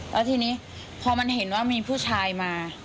แล้วทีนี้พอมันเห็นว่ามีผู้ชายมา